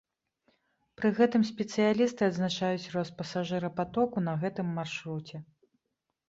Пры гэтым спецыялісты адзначаюць рост пасажырапатоку на гэтым маршруце.